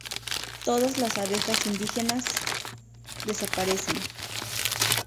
Todas las abejas indígenas desaparecen.